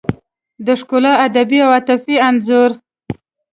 د ښکلا ادبي او عاطفي انځور